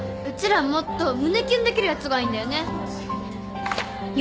うちらもっと胸きゅんできるやつがいいんだよね